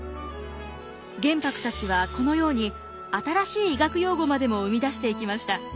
玄白たちはこのように新しい医学用語までも生み出していきました。